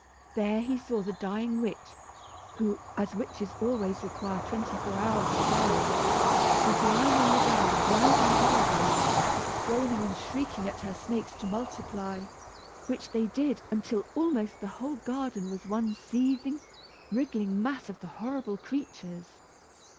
There he saw the dying witch, who, as witches always require twenty four hours to die in, was lying on the ground writhing horribly, groaning, and shrieking to her snakes to multiply, which they did until almost the whole garden was one seething, wriggling mass of the horrible creatures.